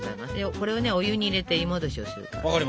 これをねお湯に入れて湯もどしをする感じ。